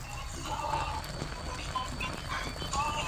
Su nombre significa, en latín "pez grande y gris".